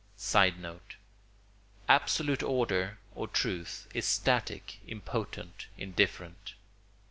[Sidenote: Absolute order, or truth, is static, impotent, indifferent.